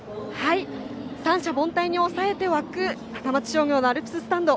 三者凡退に抑えて沸く高松商業のアルプススタンド。